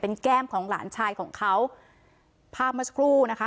เป็นแก้มของหลานชายของเขาภาพเมื่อสักครู่นะคะ